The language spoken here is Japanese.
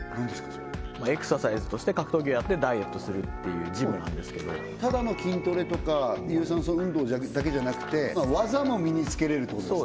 それエクササイズとして格闘技をやってダイエットするっていうジムなんですけどただの筋トレとか有酸素運動だけじゃなくて技も身に付けれるってことですね